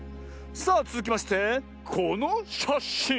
さあつづきましてこのしゃしん。